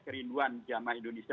kerinduan jemaah indonesia